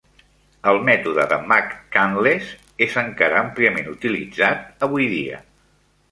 El mètode de McCandless és encara àmpliament utilitzat avui dia.